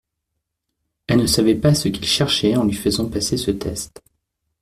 Elle ne savait pas ce qu’ils cherchaient en lui faisant passer ce test.